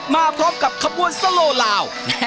มาพร้อมกับขบวนสโลลาว